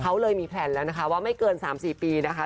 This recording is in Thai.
เขาเลยมีแพลนแล้วนะคะว่าไม่เกิน๓๔ปีนะคะ